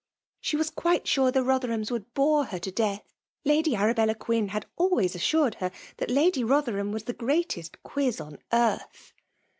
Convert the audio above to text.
''She was quite sure the Rotberhams would hoire her to death. I^dy Arabdla Quin had always assured her that Lady Bothetfaam was Ae greatest quiz on earth."